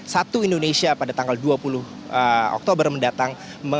satu indonesia pada tanggal dua puluh oktober mendatang